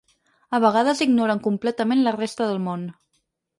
A vegades ignoren completament la resta del món.